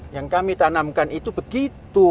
yang kami tanamkan itu begitu